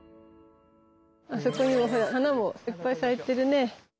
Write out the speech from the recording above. そこにもほら花もいっぱい咲いてるね。